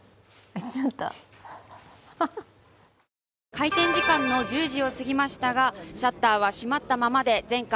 開店時間の１０時を過ぎましたが、シャッターは閉まったままで全館